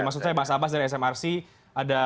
maksud saya mas abbas dari smrc ada